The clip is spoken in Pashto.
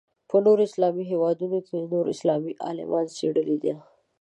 په نورو اسلامي هېوادونو کې نور اسلامي عالمانو څېړلې ده.